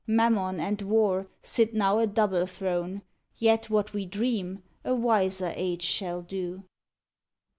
Mammon and War sit now a double throne, Yet what we dream, a wiser Age shall do.